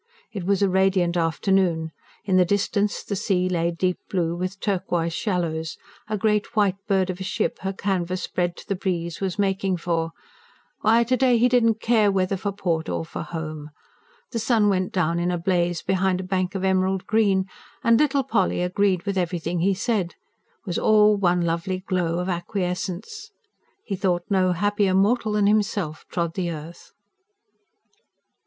It was a radiant afternoon in the distance the sea lay deep blue, with turquoise shallows; a great white bird of a ship, her canvas spread to the breeze, was making for ... why, to day he did not care whether for port or for "home"; the sun went down in a blaze behind a bank of emerald green. And little Polly agreed with everything he said was all one lovely glow of acquiescence. He thought no happier mortal than himself trod the earth.